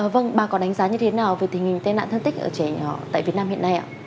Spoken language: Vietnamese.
vâng bà có đánh giá như thế nào về tình hình tai nạn thân tích ở trẻ nhỏ tại việt nam hiện nay ạ